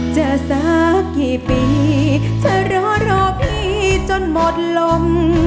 สักกี่ปีเธอรอรอพี่จนหมดลม